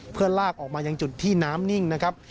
เพื่อลากออกมายังจุดที่น้ำนิ่งนะครับ